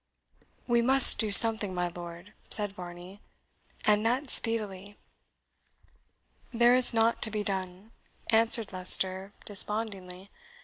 "We must do something, my lord," said Varney, "and that speedily." "There is nought to be done," answered Leicester, despondingly.